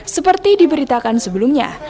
seperti diberitakan sebelumnya